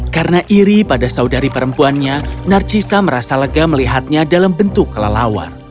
karena iri pada saudari perempuannya narcissa merasa lega melihatnya dalam bentuk kelelawar